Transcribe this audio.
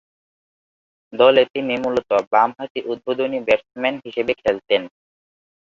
দলে তিনি মূলতঃ বামহাতি উদ্বোধনী ব্যাটসম্যান হিসেবে খেলতেন।